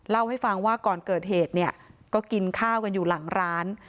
เล่าให้ฟังว่าก่อนเกิดเหตุเนี่ยก็กินข้าวกันอยู่หลังร้าน